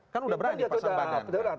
kan sudah berani pasang bagan